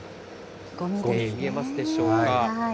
見えますでしょうか。